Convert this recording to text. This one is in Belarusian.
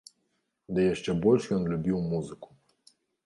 Ды яшчэ больш ён любіў музыку.